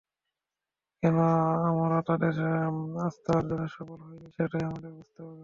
কেন আমরা তাদের আস্থা অর্জনে সফল হইনি, সেটাই আমাদের বুঝতে হবে।